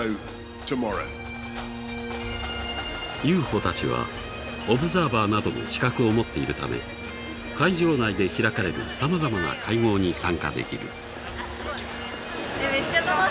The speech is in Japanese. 有穂たちはオブザーバーなどの資格を持っているため会場内で開かれるさまざまな会合に参加できる。